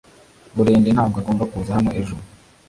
Burende ntabwo agomba kuza hano ejo .